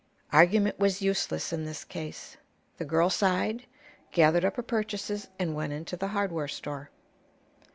Argument was useless in this case. The girl sighed, gathered up her purchases, and went into the hardware store.